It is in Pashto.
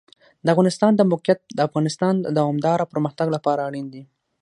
د افغانستان د موقعیت د افغانستان د دوامداره پرمختګ لپاره اړین دي.